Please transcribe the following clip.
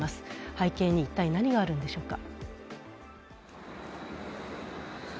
背景に一体何があるのでしょうか。